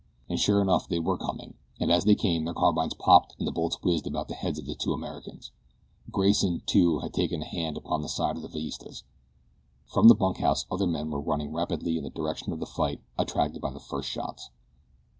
And sure enough they were coming, and as they came their carbines popped and the bullets whizzed about the heads of the two Americans. Grayson, too, had taken a hand upon the side of the Villistas. From the bunkhouse other men were running rapidly in the direction of the fight, attracted by the first shots.